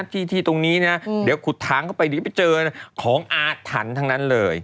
ที่ตรงนี้นะเดี๋ยวขุดทางเข้าไปเดี๋ยวไปเจอของอาถรรพ์ทั้งนั้นเลย